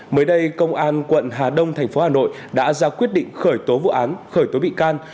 mới đây công an quận hà đông thành phố hà nội đã ra quyết định khởi tố vụ án khởi tố bị can